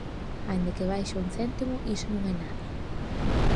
Aínda que baixe un céntimo, iso non é nada.